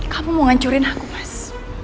kamu mau ngancurin aku mas